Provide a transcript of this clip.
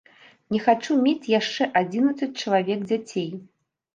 Не хачу мець яшчэ адзінаццаць чалавек дзяцей!